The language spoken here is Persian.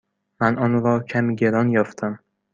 من آن را کمی گران یافتم.